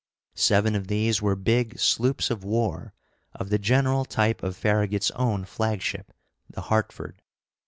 Seven of these were big sloops of war, of the general type of Farragut's own flagship, the Hartford.